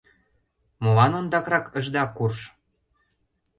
— Молан ондакрак ыжда курж?